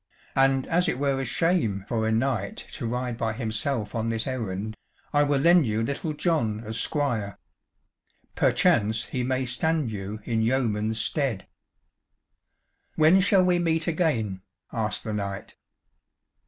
And as it were a shame for a knight to ride by himself on this errand, I will lend you Little John as squire perchance he may stand you in yeoman's stead." "When shall we meet again?" asked the knight.